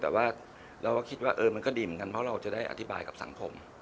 แต่ว่าเราก็คิดว่ามันก็ดีเหมือนกันเพราะเราจะได้อธิบายกับสังคม